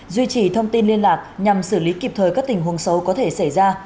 duy trì thông tin liên lạc nhằm xử lý kịp thời các tình huống xấu có thể xảy ra